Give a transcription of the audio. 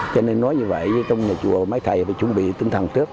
cho nên nói như vậy trong nhà chùa mấy thầy phải chuẩn bị tinh thần trước